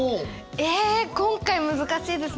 えっ今回難しいですね。